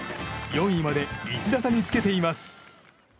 ４位まで１打差につけています。